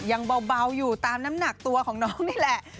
ยังเบาอยู่ตามน้ำหนักตัวของน้องนี่แหละ